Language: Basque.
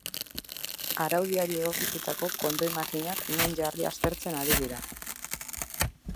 Araudiari egokitutako kondoi makinak non jarri aztertzen ari dira.